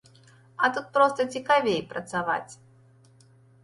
А тут проста цікавей працаваць.